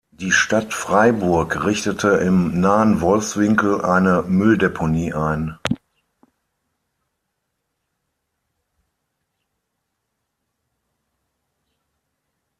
Die Stadt Freiburg richtete im nahen "Wolfswinkel" eine Mülldeponie ein.